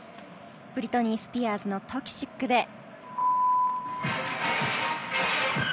ブリトニースピアーズの『トキシック』です。